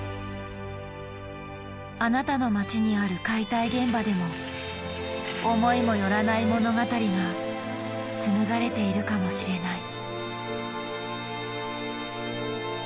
あなたの街にある解体現場でも思いもよらない物語が紡がれているかもしれない。